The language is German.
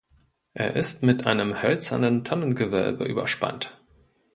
Er ist mit einem hölzernen Tonnengewölbe überspannt.